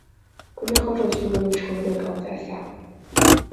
公交候车区位于城轨高架桥下。